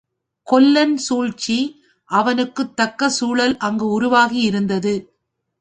கொல்லன் சூழ்ச்சி அவனுக்குத் தக்க சூழல் அங்கு உருவாகி இருந்தது.